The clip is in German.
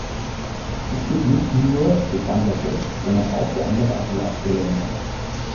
Dies gilt nicht nur für Bangladesch, sondern auch für andere asiatische Länder.